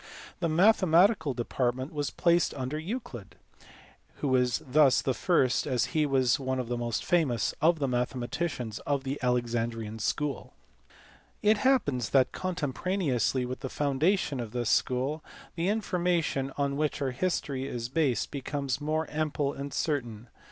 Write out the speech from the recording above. The mathematical de partment was placed under Euclid, who was thus the first, as he was one of the most famous, of the mathematicians of the Alexandrian school. It happens that contemporaneously with the foundation of this school the information on which our history is based be comes more ample and certain.